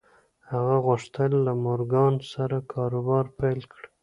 هغه غوښتل له مورګان سره کاروبار پیل کړي